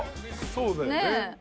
そうだよね。